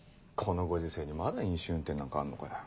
ご時世にまだ飲酒運転なんかあんのかよ。